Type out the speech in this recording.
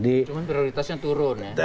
cuma prioritasnya turun ya